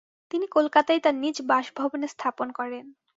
তিনি কলকাতায় তার নিজ বাসভবনে স্থাপন করেন।